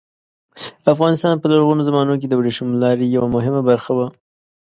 افغانستان په لرغونو زمانو کې د ورېښمو لارې یوه مهمه برخه وه.